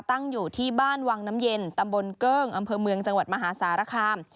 ตั้งอยู่ที่บ้านวังน้ำเย็นตำบลเกิ้งอำเภอเมืองจังหวัดมหาสารคาม